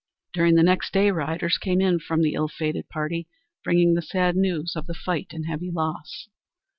During the next day, riders came in from the ill fated party, bringing the sad news of the fight and heavy loss.